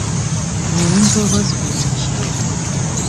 Mi nun povas filmi ĉion!